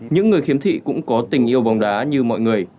những người khiếm thị cũng có tình yêu bóng đá như mọi người